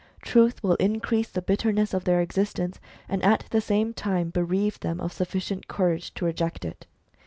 Truth will increase the bitter ness of their existence, and at the same time bereave them of sufficient courage to reject it."